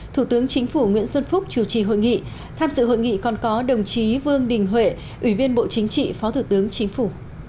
thủ tướng chính phủ nguyễn xuân phúc chủ trì hội nghị tham dự hội nghị còn có đồng chí vương đình huệ ủy viên bộ chính trị phó thủ tướng chính phủ